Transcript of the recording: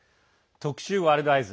特集「ワールドＥＹＥＳ」